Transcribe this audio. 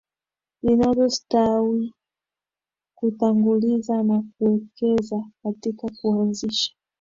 zinazostawi kutanguliza na kuwekeza katika kuanzisha